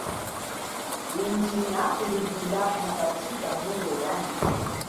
Indji nakulihula mukachi kabunge yami.